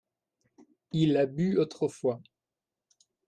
il a bu autrefois.